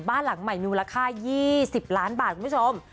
บ้านหลังใหม่มูลค่า๒๐ล้านบาทคุณผู้ชม